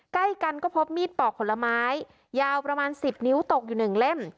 ใกล้กันก็พบมีดปอกผลไม้ยาวประมาณ๑๐นิ้วตกอยู่๑เล่ม